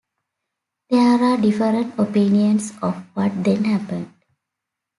There are different opinions of what then happened.